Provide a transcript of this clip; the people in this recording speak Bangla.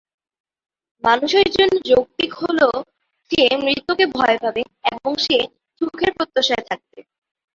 মানুষের জন্য যৌক্তিক হলো সে মৃত্যুকে ভয় পাবে এবং সে সুখের প্রত্যাশায় থাকবে।